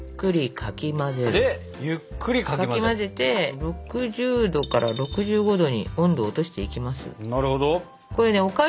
かき混ぜて６０℃から６５℃に温度を落としていきます。